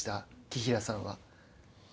紀平さんは。